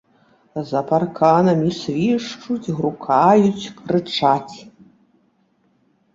За парканамі свішчуць, грукаюць, крычаць.